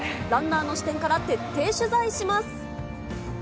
ランナーの視点から徹底取材します。